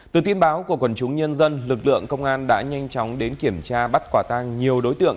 từ tin báo của quần chúng nhân dân lực lượng công an đã nhanh chóng đến kiểm tra bắt quả tang nhiều đối tượng